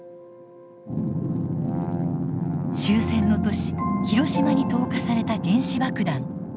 終戦の年広島に投下された原子爆弾。